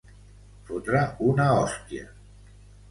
Fotre una hòstia.